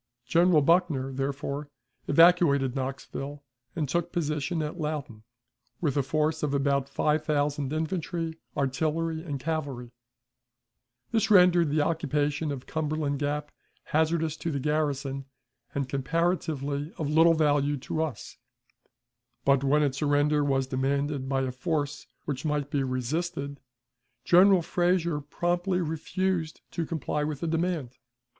General Buckner, therefore, evacuated Knoxville, and took position at Loudon, with a force of about five thousand infantry, artillery, and cavalry; this rendered the occupation of Cumberland Gap hazardous to the garrison, and comparatively of little value to us, but, when its surrender was demanded by a force which might be resisted, General Frazier promptly refused to comply with the demand.